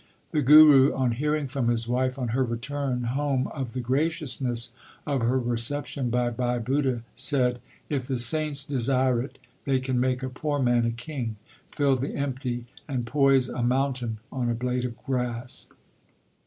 The Guru, on hearing from his wife on her return home of the graciousness of her reception by Bhai Budha said, If the saints desire it, they can make a poor man a king, fill the empty, and poise a moun tain on a blade of grass.